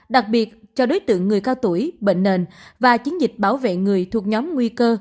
đặc biệt cho đối tượng người cao tuổi bệnh nền và chiến dịch bảo vệ người thuộc nhóm nguy cơ